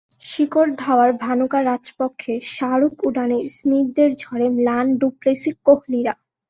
শিখর ধাওয়ার–ভানুকা রাজাপক্ষে–শাহরুখ–ওডানে স্মিথদের ঝড়ে ম্লান ডু প্লেসি–কোহলিরা...